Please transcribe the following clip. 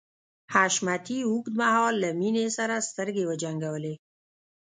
حشمتي اوږد مهال له مينې سره سترګې وجنګولې.